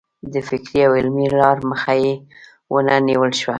د فکري او علمي لار مخه یې ونه نیول شوه.